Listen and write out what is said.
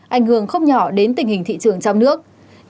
ảnh hưởng không nhỏ đến tình hình thị trường trong nước